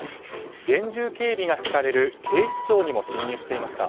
厳重警備が敷かれる警視庁にも侵入していました。